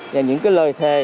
và những lời thề